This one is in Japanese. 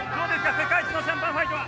世界一のシャンパンファイトは。